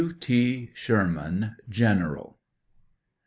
W..T. SHBEMAN, General.